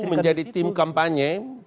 menjadi tim kampanye